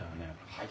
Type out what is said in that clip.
はい。